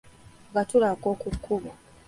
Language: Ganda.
Akatula k’oku kkubo.